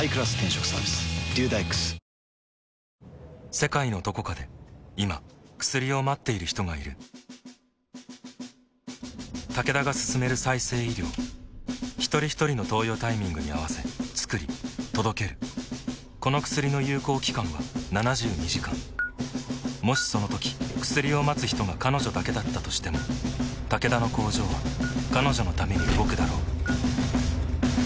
世界のどこかで今薬を待っている人がいるタケダが進める再生医療ひとりひとりの投与タイミングに合わせつくり届けるこの薬の有効期間は７２時間もしそのとき薬を待つ人が彼女だけだったとしてもタケダの工場は彼女のために動くだろう